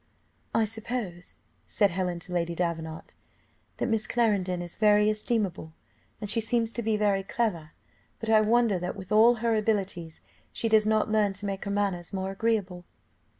"I suppose," said Helen to Lady Davenant, "that Miss Clarendon is very estimable, and she seems to be very clever: but I wonder that with all her abilities she does not learn to make her manners more agreeable."